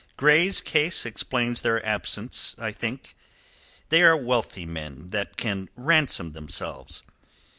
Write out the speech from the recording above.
Grey's case explains their absence, I think. They are wealthy men that can ransom themselves.